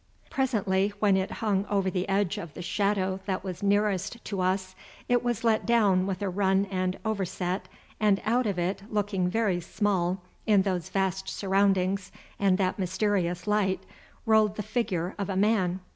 Presently, when it hung over the edge of the shadow that was nearest to us, it was let down with a run and overset, and out of it, looking very small in those vast surroundings and that mysterious light, rolled the figure of a man.